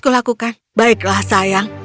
kulakukan baiklah sayang